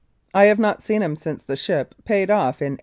I have not seen him since the ship paid off in 1871.